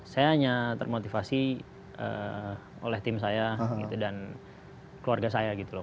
saya hanya termotivasi oleh tim saya dan keluarga saya gitu loh